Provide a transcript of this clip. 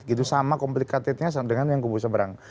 gitu sama complicatednya dengan yang kebuseberang